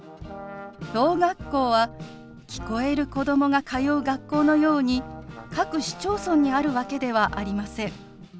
ろう学校は聞こえる子供が通う学校のように各市町村にあるわけではありません。